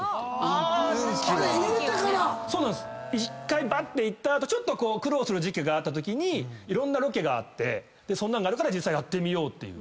あれ入れてから⁉１回ばっていった後苦労する時期があったときにいろんなロケがあってそんなのがあるから実際にやってみようっていう。